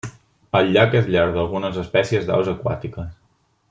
El llac és llar d'algunes espècies d'aus aquàtiques.